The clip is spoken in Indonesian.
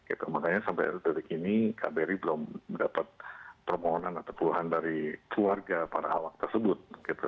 itu makanya sampai detik ini kbri belum mendapat permohonan atau keluhan dari keluarga para awak tersebut